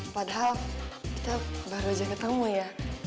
padahal kita baru saja ketemu ya